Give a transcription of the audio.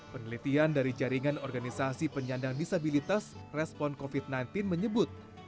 penelitian dari jaringan organisasi penyandang disabilitas respon covid sembilan belas menyebut